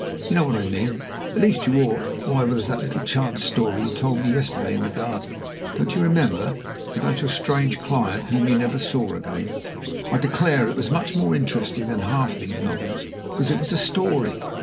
You know what I mean at least you ought. Why, there was that little chance story you told me yesterday in the garden don't you remember? about your strange client, whom you never saw again: I declare it was much more interesting than half these novels, because it was a story.